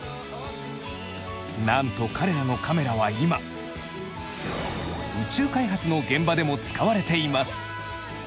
なんと彼らのカメラは今宇宙開発の現場でも使われています。